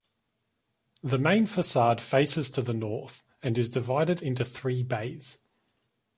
The main facade faces to the north and is divided into three bays.